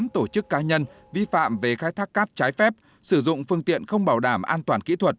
bốn tổ chức cá nhân vi phạm về khai thác cát trái phép sử dụng phương tiện không bảo đảm an toàn kỹ thuật